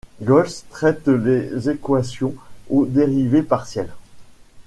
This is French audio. Golse traite des équations aux dérivées partielles.